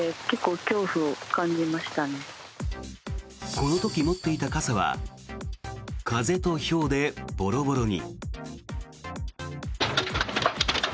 この時持っていた傘は風とひょうでボロボロに。